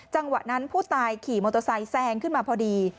จังหวะนั้นผู้ตายขี่มอเตอร์ไซค์แซงขึ้นมาพอดี